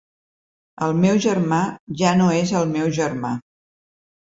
El meu germà ja no és el meu germà.